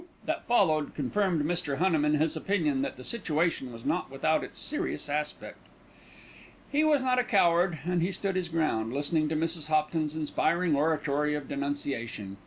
that followed confirmed Mr. Cunham in his opinion that the situation was not without its serious aspect. He was not a coward and he stood his ground, listening to Mrs. Hopton's inspiring oratory of denunciation.